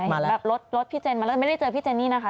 มาแล้วมีรถปีเจนมาไม่ได้เจอพี่เจนนี่นะคะ